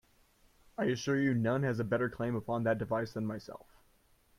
I assure you, none has a better claim upon that device than myself.